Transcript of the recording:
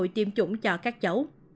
tiêm chủng cho các cháu